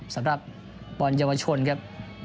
สำหรับบอลเยาวชนครับ